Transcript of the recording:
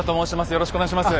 よろしくお願いします。